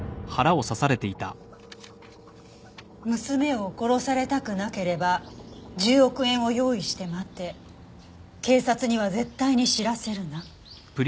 「娘を殺されたくなければ１０億円を用意して待て」「警察には絶対に知らせるな」